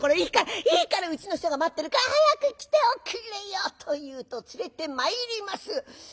いいからいいからうちの人が待ってるから早く来ておくれよ！」と言うと連れてまいります。